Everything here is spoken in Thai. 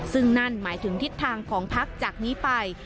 ซึ่งนั่นหมายถึงทิศทางของพักจากนี้ไป